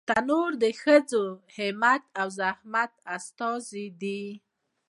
تنور د ښځو همت او زحمت استازی دی